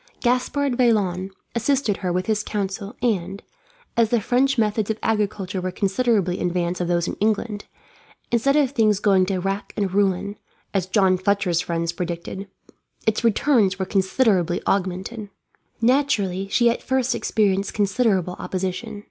Gaspard Vaillant assisted her with his counsel and, as the French methods of agriculture were considerably in advance of those in England, instead of things going to rack and ruin, as John Fletcher's friends predicted, its returns were considerably augmented. Naturally, she at first experienced considerable opposition.